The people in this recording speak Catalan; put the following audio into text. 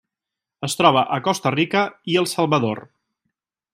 Es troba a Costa Rica i El Salvador.